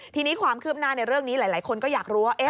ทีนี้ความคืบหน้าในเรื่องนี้หลายคนก็อยากรู้ว่า